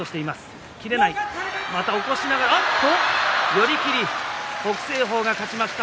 寄り切り、北青鵬が勝ちました。